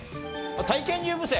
体験入部生。